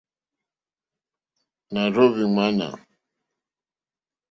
Nà rzóhwì ɲàmà.